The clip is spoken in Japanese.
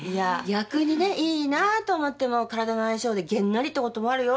逆にねいいなと思っても体の相性でげんなりってこともあるよ。